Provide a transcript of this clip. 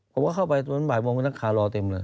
ผมก็เข้าไปตอนบ่ายโมงนักข่าวรอเต็มเลย